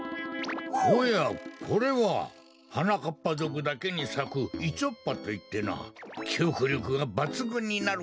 おやこれははなかっぱぞくだけにさくイチョッパといってなきおくりょくがばつぐんになる